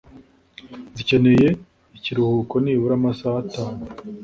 zikeneye ikiruhuko Nibura amasaha atanu